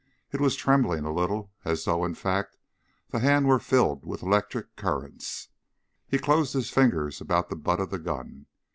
It was trembling a little, as though, in fact, that hand were filled with electric currents. He closed his fingers about the butt of the gun.